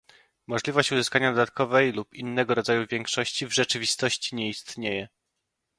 Możliwość uzyskania dodatkowej lub innego rodzaju większości w rzeczywistości nie istnieje